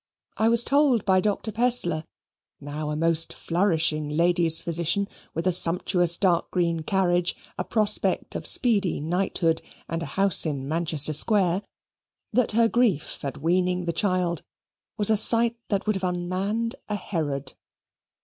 I was told by Dr. Pestler (now a most flourishing lady's physician, with a sumptuous dark green carriage, a prospect of speedy knighthood, and a house in Manchester Square) that her grief at weaning the child was a sight that would have unmanned a Herod.